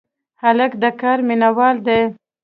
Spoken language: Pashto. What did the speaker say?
هلک د کار مینه وال دی.